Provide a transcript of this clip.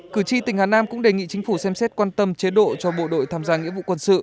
cử tri tỉnh hà nam cũng đề nghị chính phủ xem xét quan tâm chế độ cho bộ đội tham gia nghĩa vụ quân sự